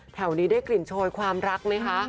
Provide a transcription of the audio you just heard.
แถวนี้ได้กลิ่นโชยความรักไหมคะ